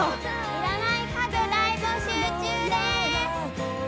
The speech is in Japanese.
いらない家具大募集中です！